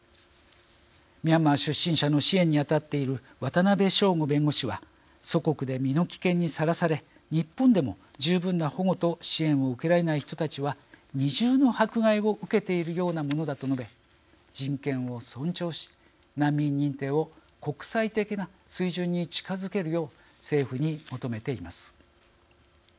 ミャンマー出身者の支援に当たっている渡邉彰悟弁護士は祖国で身の危険にさらされ日本でも十分な保護と支援を受けられない人たちは「二重の迫害」を受けているようなものだと述べ人権を尊重し、難民認定を国際的な水準に近づけるよう政府に求めています。